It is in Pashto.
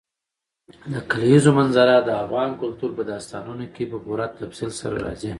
د کلیزو منظره د افغان کلتور په داستانونو کې په پوره تفصیل سره راځي.